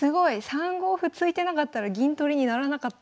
３五歩突いてなかったら銀取りにならなかったのに。